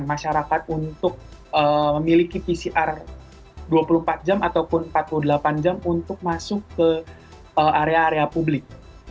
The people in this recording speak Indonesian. masyarakat untuk memiliki pcr dua puluh empat jam ataupun empat puluh delapan jam untuk masuk ke area area publik